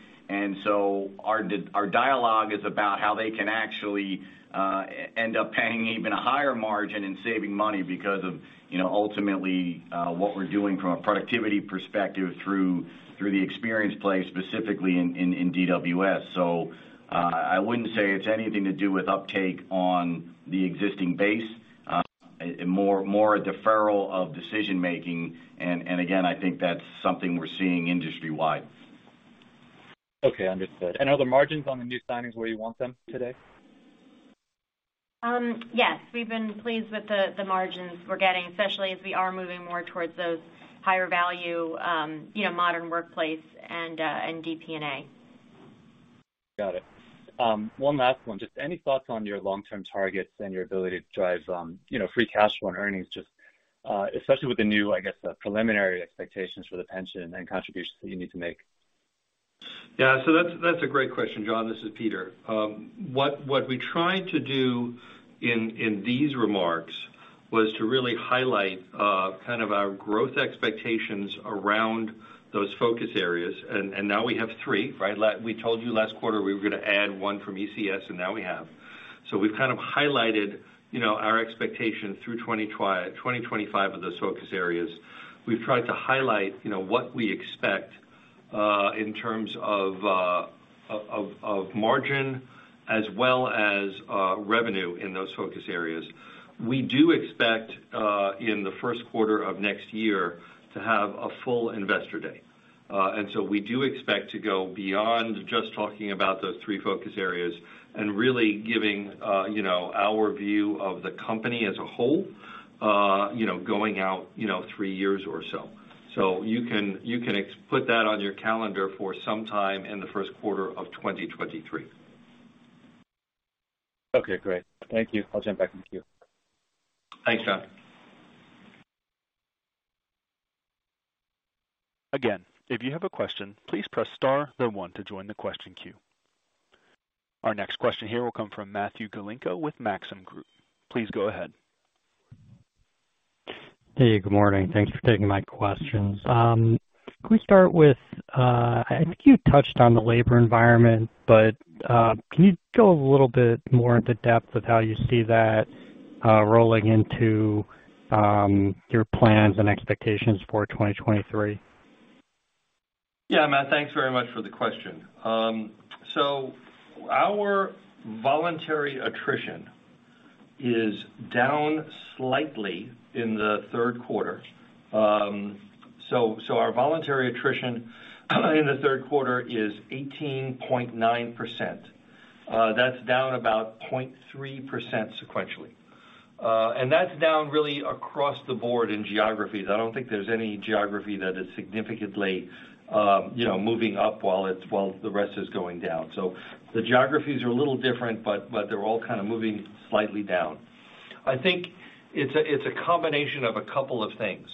Our dialogue is about how they can actually end up paying even a higher margin and saving money because of ultimately what we're doing from a productivity perspective through the experience place, specifically in DWS. I wouldn't say it's anything to do with uptake on the existing base. More a deferral of decision-making, and again, I think that's something we're seeing industry-wide. Okay. Understood. Are the margins on the new signings where you want them today? Yes. We've been pleased with the margins we're getting, especially as we are moving more towards those higher value Modern Workplace and DP&A. Got it. One last one. Just any thoughts on your long-term targets and your ability to drive free cash flow and earnings, especially with the new, I guess, preliminary expectations for the pension and contributions that you need to make. Yeah, that's a great question, John. This is Peter. What we tried to do in these remarks was to really highlight kind of our growth expectations around those focus areas, and now we have three, right? We told you last quarter we were going to add one from ECS, and now we have. We've kind of highlighted our expectation through 2025 of those focus areas. We've tried to highlight what we expect in terms of margin as well as revenue in those focus areas. We do expect, in the first quarter of next year, to have a full investor day. We do expect to go beyond just talking about those three focus areas and really giving our view of the company as a whole going out three years or so. You can put that on your calendar for some time in the first quarter of 2023. Okay, great. Thank you. I'll jump back in the queue. Thanks, John. Again, if you have a question, please press star then one to join the question queue. Our next question here will come from Matthew Galinko with Maxim Group. Please go ahead. Good morning. Thanks for taking my questions. Can we start? I think you touched on the labor environment, can you go a little bit more into depth with how you see that rolling into your plans and expectations for 2023? Yeah, Matt, thanks very much for the question. Our voluntary attrition is down slightly in the third quarter. Our voluntary attrition in the third quarter is 18.9%. That's down about 0.3% sequentially. That's down really across the board in geographies. I don't think there's any geography that is significantly moving up while the rest is going down. The geographies are a little different, they're all kind of moving slightly down. I think it's a combination of a couple of things.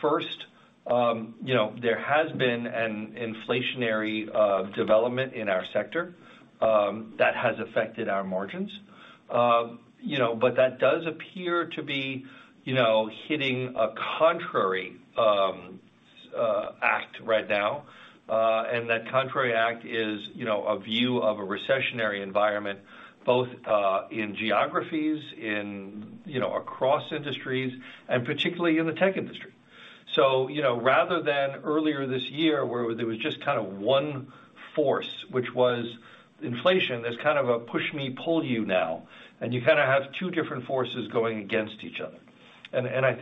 First, there has been an inflationary development in our sector that has affected our margins. That does appear to be hitting a contrary act right now. That contrary act is a view of a recessionary environment, both in geographies, across industries, and particularly in the tech industry. Rather than earlier this year, where there was just one force, which was inflation, there's kind of a push me, pull you now, you kind of have two different forces going against each other. The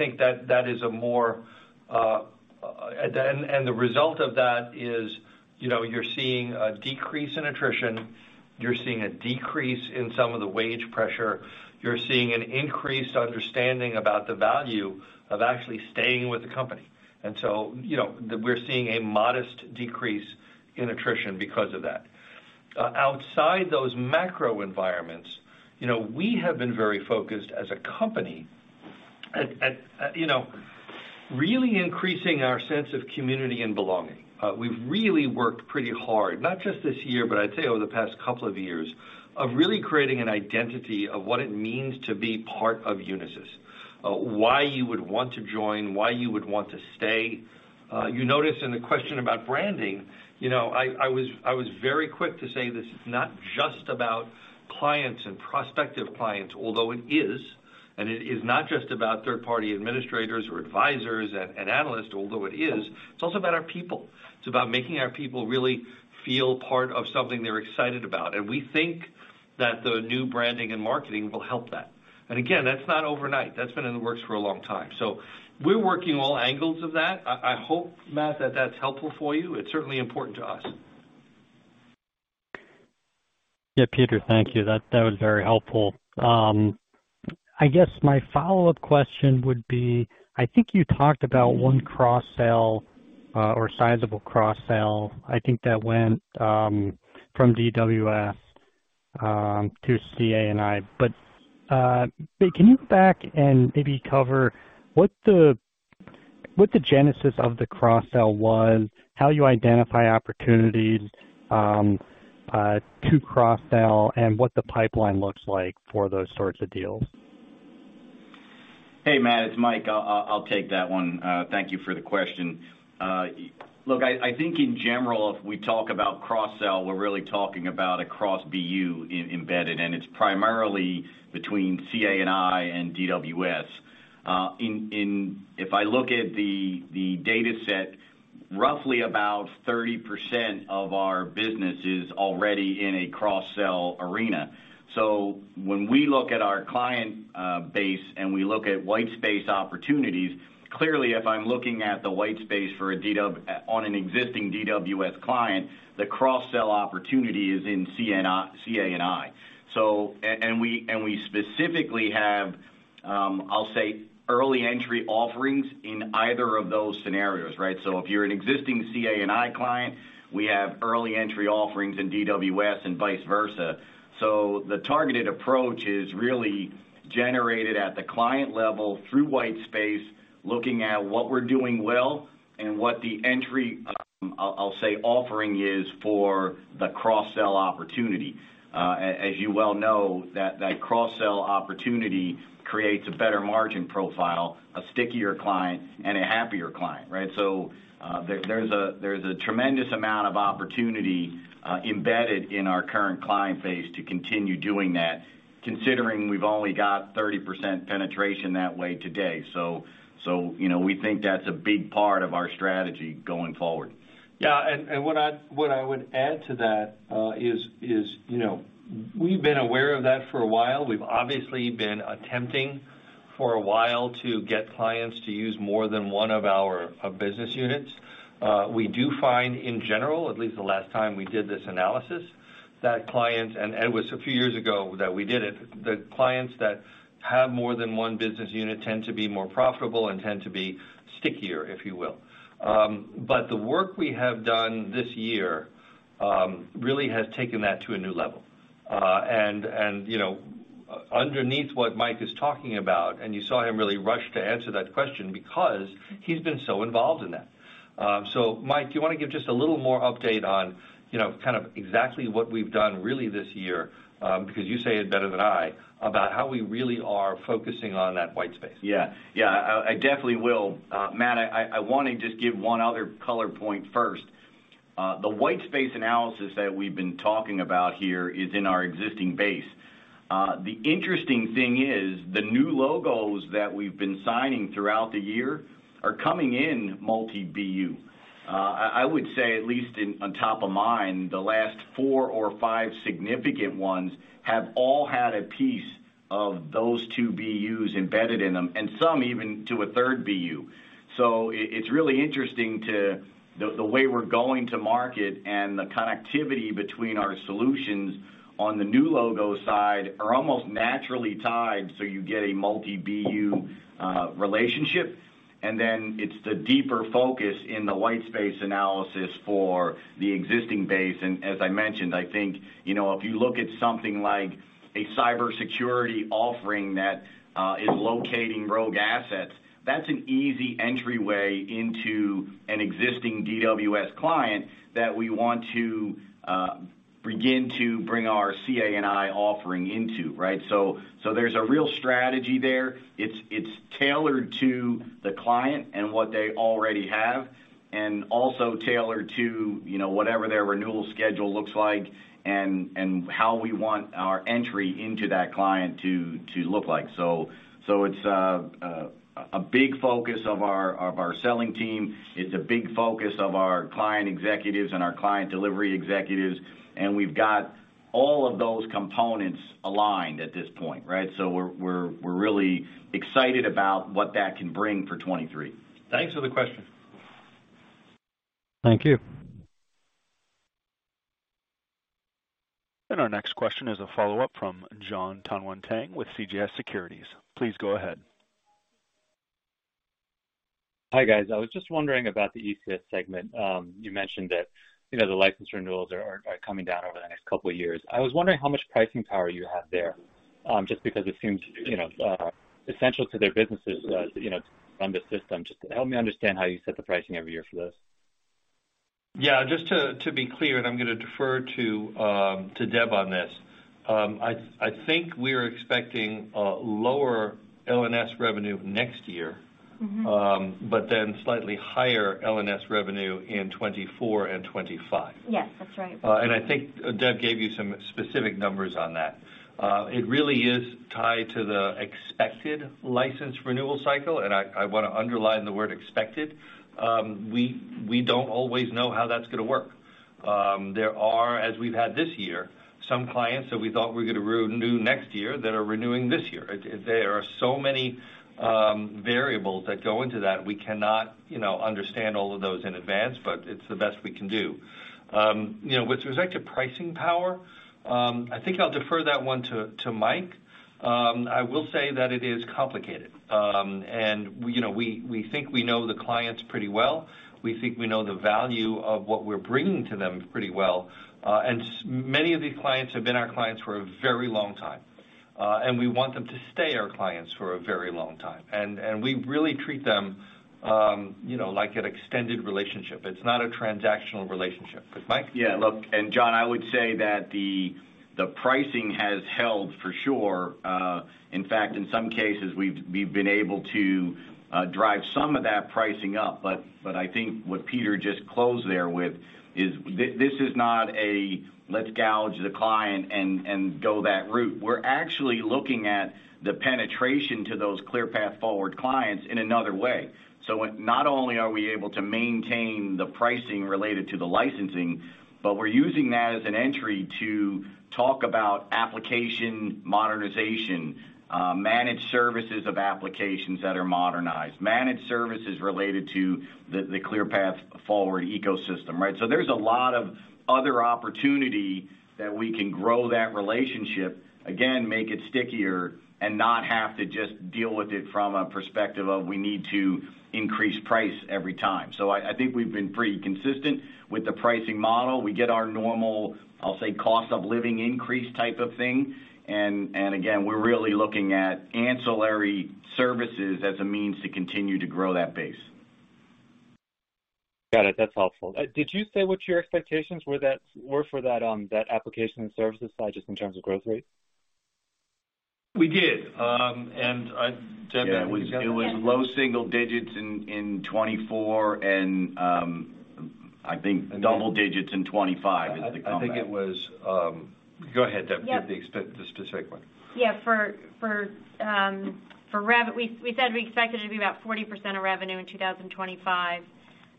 result of that is you're seeing a decrease in attrition. You're seeing a decrease in some of the wage pressure. You're seeing an increased understanding about the value of actually staying with the company. We're seeing a modest decrease in attrition because of that. Outside those macro environments, we have been very focused as a company at really increasing our sense of community and belonging. We've really worked pretty hard, not just this year, but I'd say over the past couple of years, of really creating an identity of what it means to be part of Unisys, why you would want to join, why you would want to stay. You notice in the question about branding, I was very quick to say this is not just about clients and prospective clients, although it is, it is not just about third-party administrators or advisors and analysts, although it is. It's also about our people. It's about making our people really feel part of something they're excited about, we think that the new branding and marketing will help that. Again, that's not overnight. That's been in the works for a long time. We're working all angles of that. I hope, Matt, that that's helpful for you. It's certainly important to us. Yeah, Peter, thank you. That was very helpful. I guess my follow-up question would be, I think you talked about one cross-sell or sizable cross-sell. I think that went from DWS to CA&I. Can you go back and maybe cover what the genesis of the cross-sell was, how you identify opportunities to cross-sell, and what the pipeline looks like for those sorts of deals? Hey, Matt, it's Mike. I'll take that one. Thank you for the question. Look, I think in general, if we talk about cross-sell, we're really talking about across BU embedded, and it's primarily between CA&I and DWS. If I look at the dataset, roughly about 30% of our business is already in a cross-sell arena. When we look at our client base and we look at white space opportunities, clearly, if I'm looking at the white space on an existing DWS client, the cross-sell opportunity is in CA&I. We specifically have, I'll say, early entry offerings in either of those scenarios, right? If you're an existing CA&I client, we have early entry offerings in DWS and vice versa. The targeted approach is really generated at the client level through white space, looking at what we're doing well and what the entry, I'll say, offering is for the cross-sell opportunity. As you well know, that cross-sell opportunity creates a better margin profile, a stickier client, and a happier client, right? There's a tremendous amount of opportunity embedded in our current client base to continue doing that, considering we've only got 30% penetration that way today. We think that's a big part of our strategy going forward. Yeah, what I would add to that is we've been aware of that for a while. We've obviously been attempting for a while to get clients to use more than one of our business units. We do find, in general, at least the last time we did this analysis, and it was a few years ago that we did it, that clients that have more than one business unit tend to be more profitable and tend to be stickier, if you will. The work we have done this year really has taken that to a new level. Underneath what Mike is talking about, and you saw him really rush to answer that question because he's been so involved in that. Mike, do you want to give just a little more update on kind of exactly what we've done really this year? Because you say it better than I about how we really are focusing on that white space. Yeah. I definitely will. Matt, I want to just give one other color point first. The white space analysis that we've been talking about here is in our existing base. The interesting thing is the new logos that we've been signing throughout the year are coming in multi-BU. I would say, at least on top of mind, the last four or five significant ones have all had a piece of those two BUs embedded in them, and some even to a third BU. It's really interesting the way we're going to market and the connectivity between our solutions on the new logo side are almost naturally tied so you get a multi-BU relationship, and then it's the deeper focus in the white space analysis for the existing base. As I mentioned, I think if you look at something like a cybersecurity offering that is locating rogue assets, that's an easy entryway into an existing DWS client that we want to begin to bring our CA&I offering into, right? There's a real strategy there. It's tailored to the client and what they already have, and also tailored to whatever their renewal schedule looks like and how we want our entry into that client to look like. It's a big focus of our selling team, it's a big focus of our client executives and our client delivery executives, and we've got all of those components aligned at this point, right? We're really excited about what that can bring for 2023. Thanks for the question. Thank you. Our next question is a follow-up from Jonathan Tanwanteng with CJS Securities. Please go ahead. Hi, guys. I was just wondering about the ECS segment. You mentioned that the license renewals are coming down over the next couple of years. I was wondering how much pricing power you have there, just because it seems essential to their businesses to run the system. Just help me understand how you set the pricing every year for this. Yeah. Just to be clear, I'm going to defer to Deb on this. I think we're expecting a lower L&S revenue next year. Slightly higher L&S revenue in 2024 and 2025. Yes, that's right. I think Deb gave you some specific numbers on that. It really is tied to the expected license renewal cycle, and I want to underline the word expected. We don't always know how that's going to work. There are, as we've had this year, some clients that we thought were going to renew next year that are renewing this year. There are so many variables that go into that, we cannot understand all of those in advance, but it's the best we can do. With respect to pricing power, I think I'll defer that one to Mike. I will say that it is complicated. We think we know the clients pretty well. We think we know the value of what we're bringing to them pretty well. Many of these clients have been our clients for a very long time. We want them to stay our clients for a very long time. We really treat them like an extended relationship. It's not a transactional relationship. Mike? Yeah, look, John, I would say that the pricing has held for sure. In fact, in some cases, we've been able to drive some of that pricing up. I think what Peter just closed there with is this is not a let's gouge the client and go that route. We're actually looking at the penetration to those ClearPath Forward clients in another way. Not only are we able to maintain the pricing related to the licensing, but we're using that as an entry to talk about application modernization, managed services of applications that are modernized, managed services related to the ClearPath Forward ecosystem, right? There's a lot of other opportunity that we can grow that relationship, again, make it stickier and not have to just deal with it from a perspective of we need to increase price every time. I think we've been pretty consistent with the pricing model. We get our normal, I'll say, cost of living increase type of thing. Again, we're really looking at ancillary services as a means to continue to grow that base. Got it. That's helpful. Did you say what your expectations were for that application and services side, just in terms of growth rate? We did. Deb, do you remember? Yeah. It was low single digits in 2024, and I think double digits in 2025 is the comeback. I think. Go ahead, Deb. Yeah. Give the specific one. We said we expected it to be about 40% of revenue in 2025.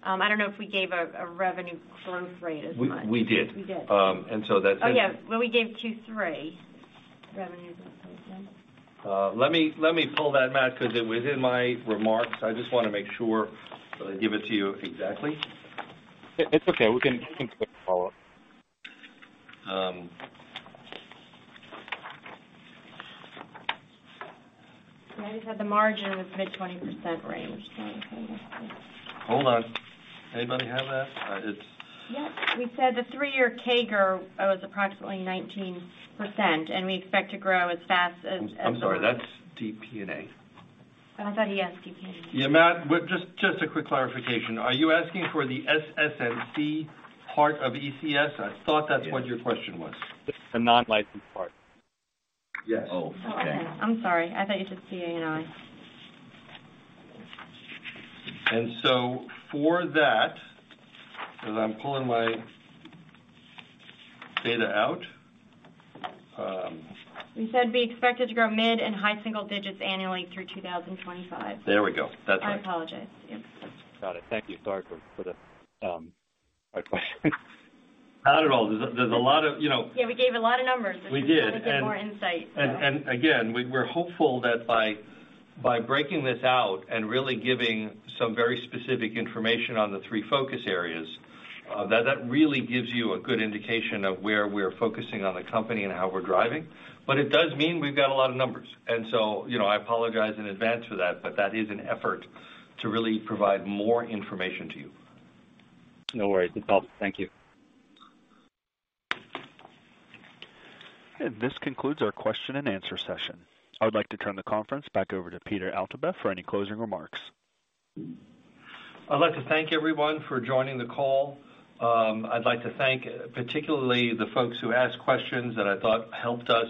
I don't know if we gave a revenue growth rate as much. We did. We did. And so that's- Oh, yeah. Well, we gave Q3 revenue. Let me pull that, Matt, because it was in my remarks. I just want to make sure that I give it to you exactly. It's okay. We can take a follow-up. Yeah, we said the margin was mid-20% range. Hold on. Anybody have that? Yeah. We said the three-year CAGR was approximately 19%. I'm sorry, that's DP&A. I thought he asked DP&A. Yeah, Matt, just a quick clarification. Are you asking for the SS&C part of ECS? I thought that's what your question was. Yes. The non-licensed part. Yes. Oh, okay. Oh, okay. I'm sorry. I thought you said CA&I. For that, as I'm pulling my data out We said we expected to grow mid and high single digits annually through 2025. There we go. That's right. I apologize. Yeah. Got it. Thank you. Sorry for the hard question. Not at all. There's a lot of- Yeah, we gave a lot of numbers. We did. We just want to give more insight. Again, we're hopeful that by breaking this out and really giving some very specific information on the three focus areas, that that really gives you a good indication of where we're focusing on the company and how we're driving. It does mean we've got a lot of numbers. So I apologize in advance for that, but that is an effort to really provide more information to you. No worries. It's helpful. Thank you. This concludes our question and answer session. I would like to turn the conference back over to Peter Altabef for any closing remarks. I'd like to thank everyone for joining the call. I'd like to thank particularly the folks who asked questions that I thought helped us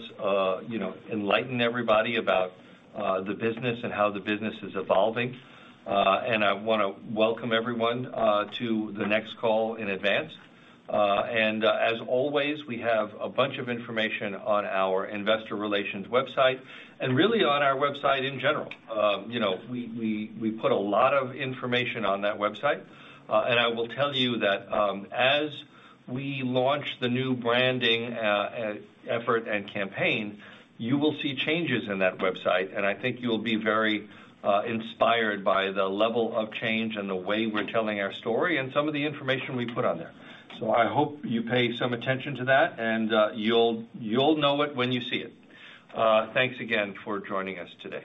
enlighten everybody about the business and how the business is evolving. I want to welcome everyone to the next call in advance. As always, we have a bunch of information on our investor relations website and really on our website in general. We put a lot of information on that website. I will tell you that as we launch the new branding effort and campaign, you will see changes in that website, and I think you'll be very inspired by the level of change and the way we're telling our story and some of the information we put on there. I hope you pay some attention to that, and you'll know it when you see it. Thanks again for joining us today.